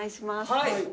はい。